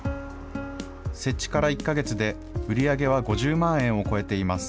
設置から１か月で売り上げは５０万円を超えています。